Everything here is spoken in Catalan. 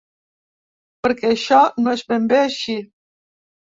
Perquè això no és ben bé així.